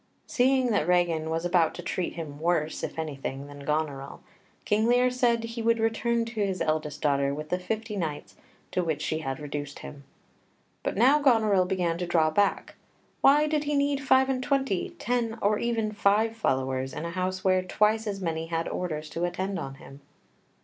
Seeing that Regan was about to treat him worse, if anything, than Goneril, King Lear said he would return to his eldest daughter with the fifty knights to which she had reduced him. But now Goneril began to draw back. Why did he need five and twenty, ten, or even five followers, in a house where twice as many had orders to attend on him?